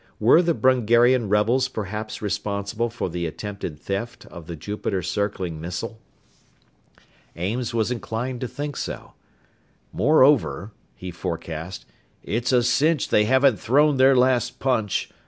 Were the Brungarian rebels perhaps responsible for the attempted theft of the Jupiter circling missile? Ames was inclined to think so. "Moreover," he forecast, "it's a cinch they haven't thrown their last punch.